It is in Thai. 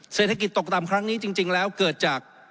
เศรษฐกิจตกต่ำครั้งนี้จริงแล้วเกิดจาก